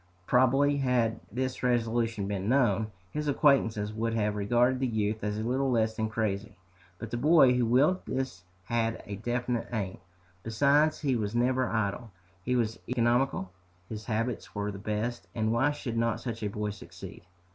Probably had this resolution been known, his acquaintances would have regarded the youth as little less than crazy. But the boy who willed this had a definite aim. Besides, he was never idle, he was economical, his habits were the best, and why should not such a boy succeed?